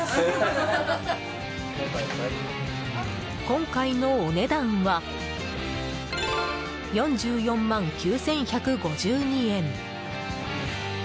今回のお値段は４４万９１５２円。